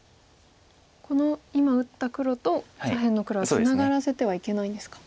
この今打った黒と左辺の黒はツナがらせてはいけないんですか。